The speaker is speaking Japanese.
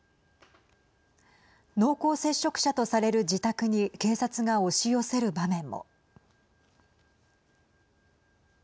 濃厚接触者とされる自宅に警察が押し寄せる場面も。